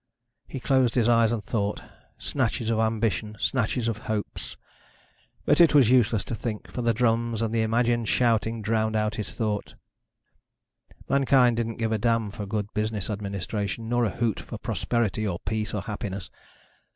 He closed his eyes and thought. Snatches of ambition, snatches of hopes ... but it was useless to think, for the drums and the imagined shouting drowned out his thoughts. Mankind didn't give a damn for good business administration, nor a hoot for prosperity or peace or happiness.